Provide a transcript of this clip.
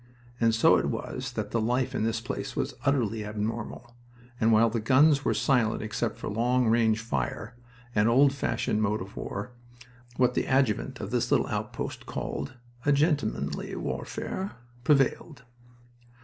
And so it was that the life in this place was utterly abnormal, and while the guns were silent except for long range fire, an old fashioned mode of war what the adjutant of this little outpost called a "gentlemanly warfare," prevailed.